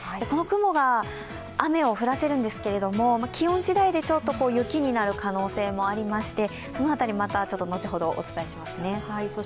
この雲が雨を降らせるんですけれども、気温しだいでちょっと雪になる可能性もありまして、その辺りまた後ほどお伝えします。